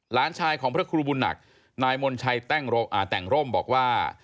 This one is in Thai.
หลานชายของพระครูบุญหนักนายมนชัยแต่งร่มบอกว่า